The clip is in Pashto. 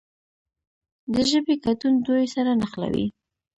د ژبې ګډون دوی سره نښلوي.